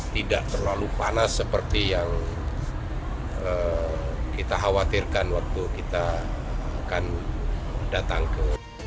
tidak terlalu panas seperti yang kita khawatirkan waktu kita akan datang ke